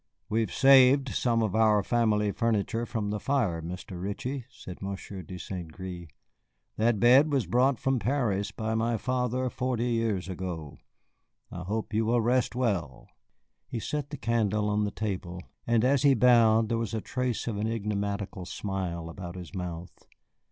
"We have saved some of our family furniture from the fire, Mr. Ritchie," said Monsieur de St. Gré; "that bed was brought from Paris by my father forty years ago. I hope you will rest well." He set the candle on the table, and as he bowed there was a trace of an enigmatical smile about his mouth.